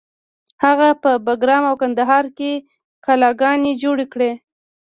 هغه په بګرام او کندهار کې کلاګانې جوړې کړې